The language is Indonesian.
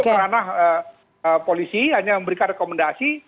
kerana polisi hanya memberikan rekomendasi